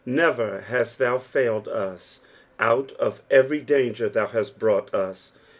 Never hast thou failed us. Out of ever; danger thou hast brought us.